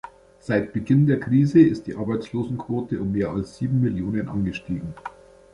Seit Beginn der Krise ist die Arbeitslosenquote um mehr als sieben Millionen angestiegen.